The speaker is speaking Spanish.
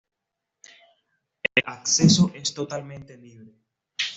El acceso es totalmente libre.